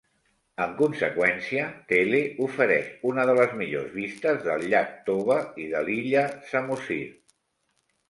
En conseqüència, Tele ofereix una de les millors vistes del llac Toba i de l'illa Samosir.